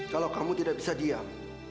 kalau kamu tidak bisa diam